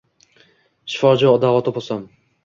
Shifojoʼ davo topsam.